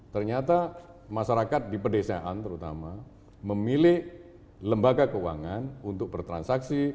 ternyata masyarakat di pedesaan terutama memilih lembaga keuangan untuk bertransaksi